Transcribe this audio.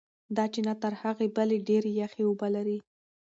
دا چینه تر هغې بلې ډېرې یخې اوبه لري.